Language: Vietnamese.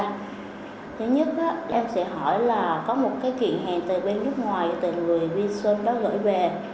thứ nhất em sẽ hỏi là có một kỷ hẹn từ bên nước ngoài từ người viên sơn đó gửi về